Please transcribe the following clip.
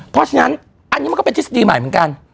เพราะฉะนั้นอันนี้มันก็เป็นทฤษฎีใหม่เหมือนกัน